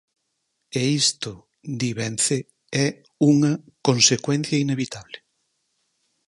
E isto, di Vence, é unha "consecuencia inevitable".